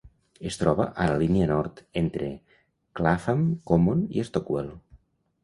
Es troba a la línia nord, entre Clapham Common i Stockwell.